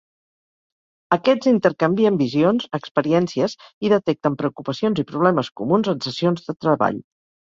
Aquests intercanvien visions, experiències, i detecten preocupacions i problemes comuns en sessions de treball.